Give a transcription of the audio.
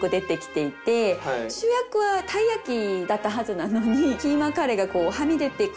主役はたい焼きだったはずなのにキーマカレーがはみ出てくる